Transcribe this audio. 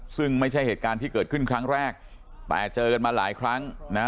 ซึ่งไม่ใช่เหตุการณ์ที่เกิดขึ้นครั้งแรกแต่เจอกันมาหลายครั้งนะ